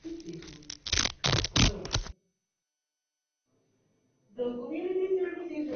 El Colegio incorporaba en sus estatutos severos castigos, tales como azotes, cepo, entre otros.